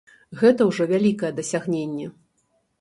Гэта ўжо вялікае дасягненне!